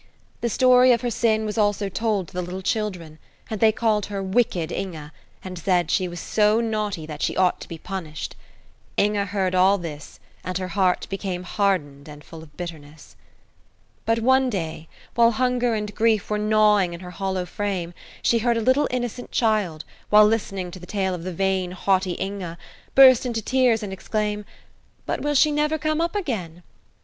The story of her sin was also told to the little children, and they called her "wicked Inge," and said she was so naughty that she ought to be punished. Inge heard all this, and her heart became hardened and full of bitterness. But one day, while hunger and grief were gnawing in her hollow frame, she heard a little, innocent child, while listening to the tale of the vain, haughty Inge, burst into tears and exclaim, "But will she never come up again?"